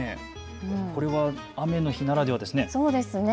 これは雨の日ならではですね。